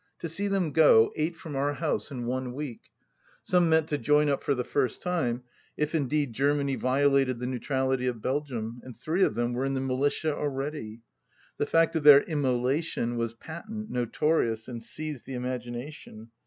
To see them go, eight from our house in one week ! Some meant to join up for the first time, if indeed Germany violated the neutrality of Belgium, and three of them were in the militia already. The fact of their immolation was patent, notorious, and seized the imagina tion.